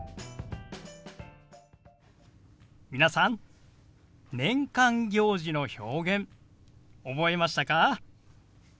皆さん年間行事の表現覚えましたか？